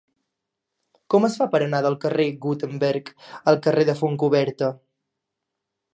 Com es fa per anar del carrer de Gutenberg al carrer de Fontcoberta?